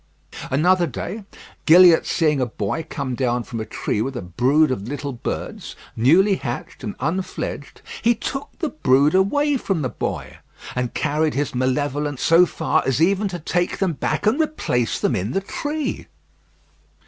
Another day, Gilliatt seeing a boy come down from a tree with a brood of little birds, newly hatched and unfledged, he took the brood away from the boy, and carried his malevolence so far as even to take them back and replace them in the tree.